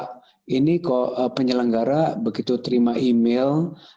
jadi penyelenggara begitu terima email